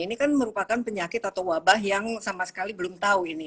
ini kan merupakan penyakit atau wabah yang sama sekali belum tahu ini